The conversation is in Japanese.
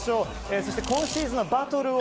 そして、今シーズンのバトルを